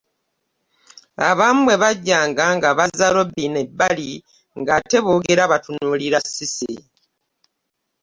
Abamu bwe bajjanga nga bazza Robinah ebbali ng'ate boogera batunuulira Cissy.